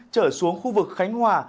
trở xuống khu vực khánh hòa